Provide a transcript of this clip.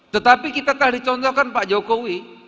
tetapi kita telah dicontohkan pak jokowi